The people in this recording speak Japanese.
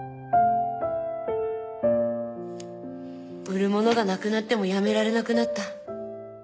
売る物がなくなってもやめられなくなった。